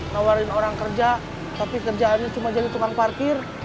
nawarin orang kerja tapi kerjaannya cuma jadi tukang parkir